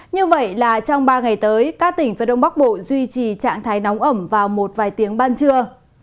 như vậy là trong ba ngày tới các tỉnh phía đông bắc bộ duy trì trạng thái nóng ẩm vào một vài tiếng ban trưa